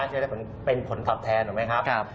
ใช่ไหมเป็นผลตอบแทนถูกไหมครับ